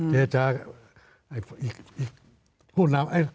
เจจา